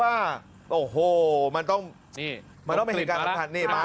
หาวหาวหาวหาวหาวหาวหาวหาวหาวหาว